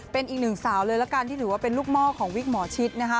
เป็นอีกหนึ่งสาวเลยละกันที่ถือว่าเป็นลูกหม้อของวิกหมอชิดนะคะ